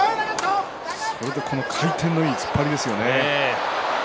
そして回転のいい突っ張りですね。